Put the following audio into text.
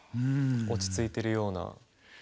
落ち着いてるような。